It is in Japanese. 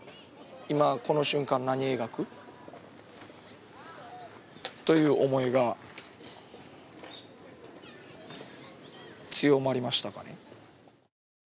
今、この瞬間、何を描く？という思いが強まりましたね。